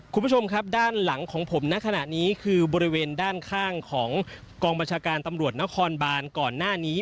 คุณผู้ชมครับด้านหลังของผมณขณะนี้คือบริเวณด้านข้างของกองบัญชาการตำรวจนครบานก่อนหน้านี้